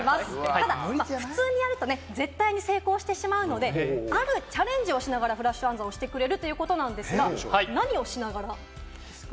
ただ普通にやると絶対に成功してしまうので、あるチャレンジをしながら、フラッシュ暗算してくれるということですが、何をしながらですか？